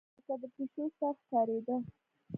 لکه د پيشو سر ښکارېدۀ